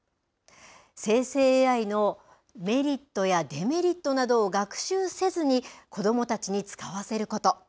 生成ＡＩのメリットやデメリットなどを学習せずに子どもたちに使わせること。